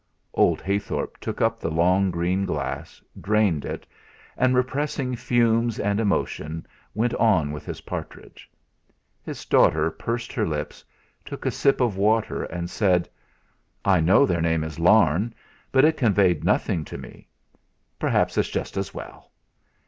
Old Heythorp took up the long green glass, drained it, and repressing fumes and emotion went on with his partridge. His daughter pursed her lips, took a sip of water, and said: "I know their name is Larne, but it conveyed nothing to me; perhaps it's just as well."